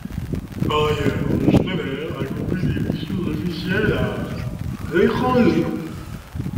Par ailleurs, Schneider accomplit des missions officielles à l'étranger.